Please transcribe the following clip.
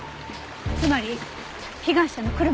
つまり被害者の車の鍵。